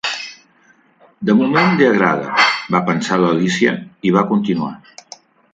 "De moment li agrada", va pensar l'Alícia; i va continuar.